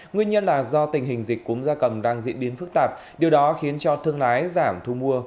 nguyên nhân là do tình hình dịch cúm gia cầm đang diễn biến phức tạp điều đó khiến cho thương lái giảm thu mua